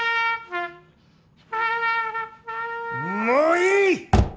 もういい！